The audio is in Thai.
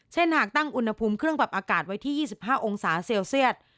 หากตั้งอุณหภูมิเครื่องปรับอากาศไว้ที่๒๕องศาเซลเซียต